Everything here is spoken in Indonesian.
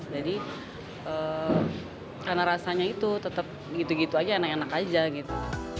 jadi karena rasanya itu tetap gitu gitu aja enak enak aja gitu